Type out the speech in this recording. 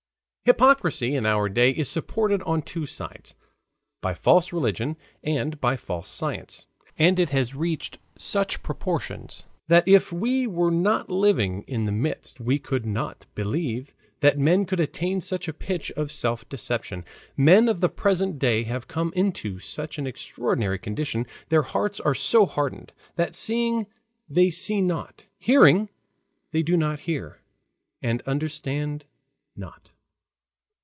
Hypocrisy in our day is supported on two sides: by false religion and by false science. And it has reached such proportions that if we were not living in its midst, we could not believe that men could attain such a pitch of self deception. Men of the present day have come into such an extraordinary condition, their hearts are so hardened, that seeing they see not, hearing they do not hear, and understand not.